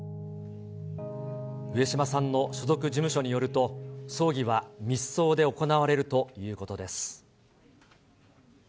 上島さんの所属事務所によると、葬儀は密葬で行われるということです。